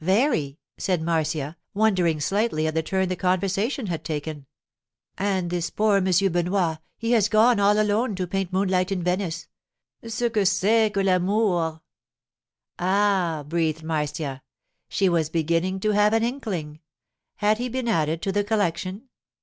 'Very,' said Marcia, wondering slightly at the turn the conversation had taken. 'And this poor Monsieur Benoit—he has gone, all alone, to paint moonlight in Venice. Ce que c'est que l'amour!' 'Ah!' breathed Marcia. She was beginning to have an inkling. Had he been added to the collection?